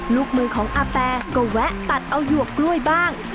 ลูกมือของอาแปก็แวะตัดเอาหยวกกล้วยบ้าง